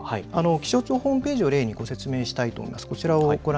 気象庁ホームページを例にご説明したいと思います。